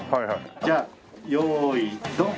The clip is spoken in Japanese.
じゃあ用意ドン。